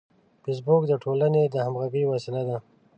فېسبوک د ټولنې د همغږۍ وسیله ده